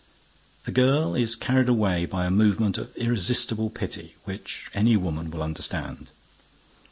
_ The girl is carried away by a movement of irresistible pity, which any woman will understand.